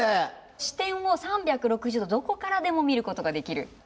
視点を３６０度どこからでも見ることができる。